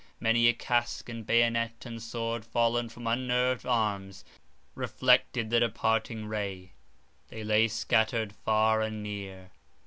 Many a casque, and bayonet, and sword, fallen from unnerved arms, reflected the departing ray; they lay scattered far and near.